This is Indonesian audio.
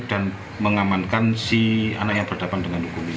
dan mengamankan si anak yang berhadapan dengan hukum ini